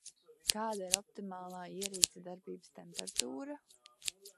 Kāda ir optimālā ierīces darbības temperatūra?